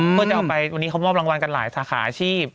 เพื่อจะเอาไปวันนี้เขามอบรางวัลกันหลายสาขาอาชีพ